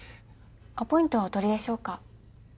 アポイントはお取りでしょうか？